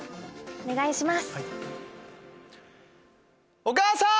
お願いします。